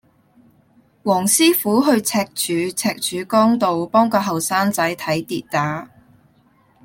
黃師傅去赤柱赤柱崗道幫個後生仔睇跌打